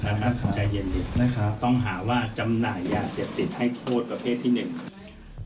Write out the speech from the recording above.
ให้โทษประเภทที่๑